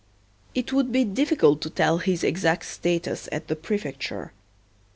It would be difficult to tell his exact status at the Prefecture.